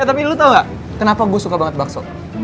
eh tapi lo tau nggak kenapa gue suka banget bakso